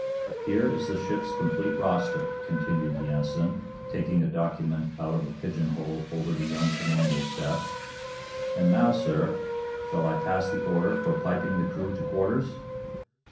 Here is the ship's complete roster," continued the Ensign, taking a document out of a pigeon hole over the young commander's desk. "And now, sir, shall I pass the order for piping the crew to quarters?"